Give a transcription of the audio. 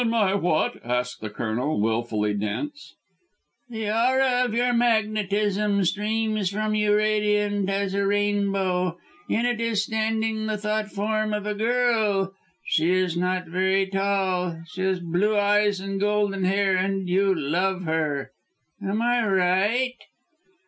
"In my what?" asked the Colonel, wilfully dense. "The aura of your magnetism streams from you radiant as a rainbow. In it is standing the thought form of a girl. She is not very tall, she has blue eyes and golden hair, and you love her. Am I right?"